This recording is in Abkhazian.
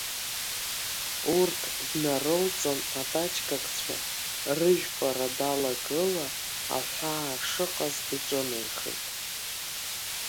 Урҭ днарылҵын, атачкакцәа рыжәпара далагыла, аҳәаа шыҟаз иҿынеихеит.